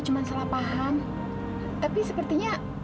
kenal di mana